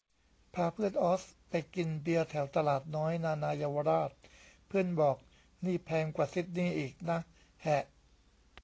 พาเพื่อนออสไปกินเบียร์แถวตลาดน้อย นานาเยาวราช เพื่อนบอก นี่แพงกว่าซิดนีย์อีกนะ แหะ